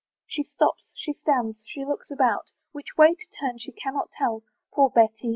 She stops, she stands, she looks about, Which way to turn she cannot tell. Poor Betty!